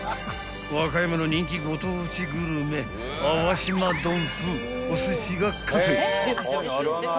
［和歌山の人気ご当地グルメあわしま丼風お寿司が完成］